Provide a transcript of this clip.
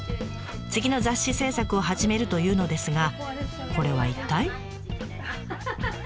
次の雑誌制作を始めるというのですがこれは一体？